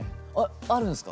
あるんですか？